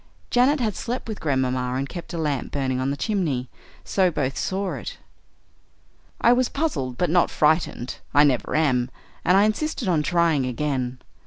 Janet had slept with Grandmamma and kept a lamp burning on the chimney, so both saw it. "I was puzzled, but not frightened; I never am, and I insisted on trying again.